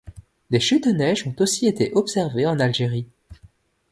Des chutes de neige ont aussi été observées en Algérie.